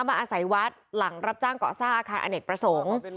อาศัยวัดหลังรับจ้างเกาะสร้างอาคารอเนกประสงค์